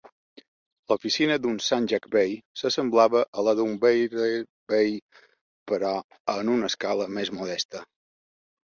L'oficina d'un "sanjak-bey" s'assemblava a la d'un "beylerbey", però en una escala més modesta.